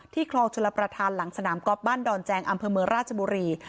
คลองชลประธานหลังสนามก๊อฟบ้านดอนแจงอำเภอเมืองราชบุรี